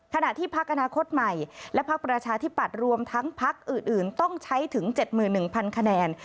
ขณะที่พักอนาคตใหม่และพักประชาธิปัตย์รวมทั้งพักอื่นต้องใช้ถึง๗๑๐๐คะแนน